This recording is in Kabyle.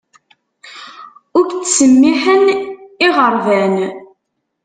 Ur k-ttsemmiiḥen iɣerban